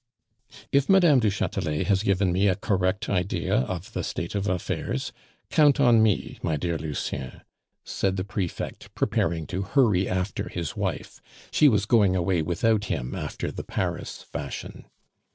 "If Mme. du Chatelet has given me a correct idea of the state of affairs, count on me, my dear Lucien," said the prefect, preparing to hurry after his wife. She was going away without him, after the Paris fashion.